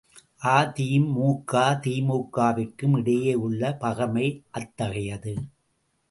அ.தி.மு.க தி.மு.க.விற்கும் இடையே உள்ள பகைமை அத்தகையது.